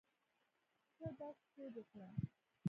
ته داسې سوچ وکړه